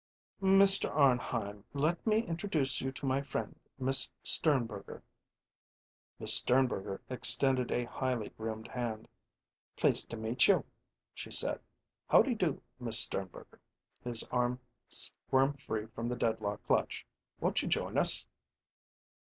"Mr. Arnheim, let me introduce you to my friend, Miss Sternberger." Miss Sternberger extended a highly groomed hand. "Pleased to meet you," she said. "Howdy do, Miss Sternberger?" His arm squirmed free from the deadlock clutch. "Won't you join us?"